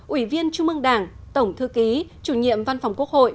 ủy viên chung mương đảng tổng thư ký chủ nhiệm văn phòng quốc hội